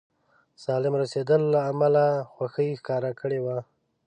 سالم رسېدلو له امله خوښي ښکاره کړې وه.